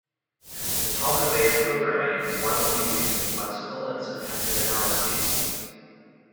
Automata-based programming is widely used in lexical and syntactic analyses.